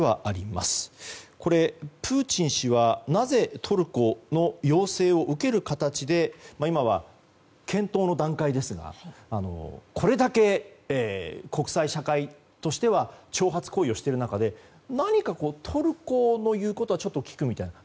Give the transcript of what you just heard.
なぜ、プーチン氏はトルコの要請を受ける形で今は検討の段階ですがこれだけ国際社会としては挑発行為をしている中で何かトルコの言うことはちょっと聞くみたいな。